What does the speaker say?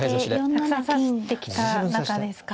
たくさん指してきた仲ですか。